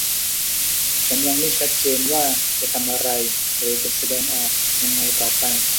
ฉันยังไม่ชัดเจนว่าจะทำอะไรหรือจะแสดงออกยังไงต่อไป